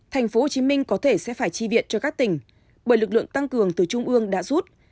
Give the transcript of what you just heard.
tp hcm có thể sẽ phải chi viện cho các tỉnh bởi lực lượng tăng cường từ trung ương đã rút